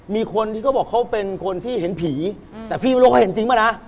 มีคนที่เขาบอกเขาเป็นคนที่เห็นผีแต่พี่ไม่รู้เขาเห็นจริงป่ะนะ